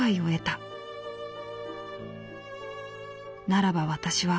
ならば私は。